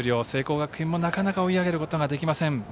聖光学院もなかなか追い上げることができません。